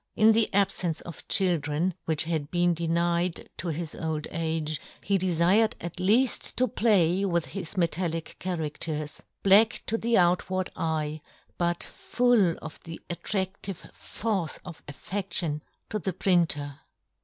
In the abfence of children, which had been denied to his old age, he defired at leaft to play with his metallic charadters, black to the outward eye, but full 36 John Gutenberg. of the attradtive force of affeftion to the printer.